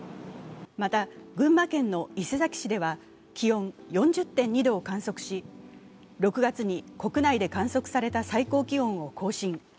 また、群馬県の伊勢崎市では気温４０．２度を観測し、６月に国内で観測された最高気温を更新。